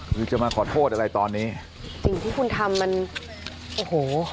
คือจะมาขอโทษอะไรตอนนี้สิ่งที่คุณทำมันโอ้โห